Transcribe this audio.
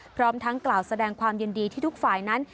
พร้อมทั้งกล่าวแสดงความยินดีที่ทุกฝ่ายนั้น